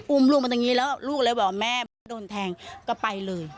อุ้มร่วงมาตรงนี้แล้วลูกเลยบอกว่าแม่โดนแทงก็ไปเลย